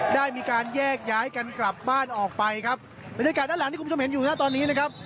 ได้มีการแยกย้ายกันกลับบ้านออกไปครับบรรยากาศด้านหลังที่คุณผู้ชมเห็นอยู่นะตอนนี้นะครับ